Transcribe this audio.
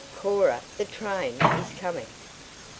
Cora, the train is coming!"